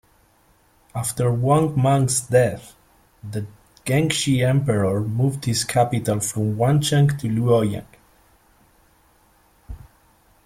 After Wang Mang's death, the Gengshi Emperor moved his capital from Wancheng to Luoyang.